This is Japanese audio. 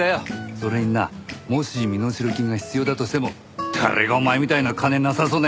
それになもし身代金が必要だとしても誰がお前みたいな金なさそうな奴に頼むか！